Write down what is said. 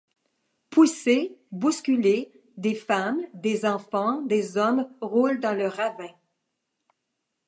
Poussés, bousculés, des femmes, des enfants, des hommes roulent dans le ravin.